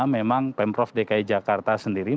memang pemprov dki jakarta sendiri